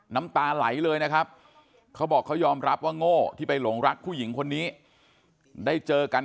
น้ำตาไหลเลยนะครับเขาบอกเขายอมรับว่าโง่ที่ไปหลงรักผู้หญิงคนนี้ได้เจอกัน